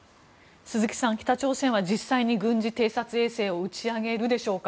鈴木さん、北朝鮮は実際に軍事偵察衛星を打ち上げるでしょうか？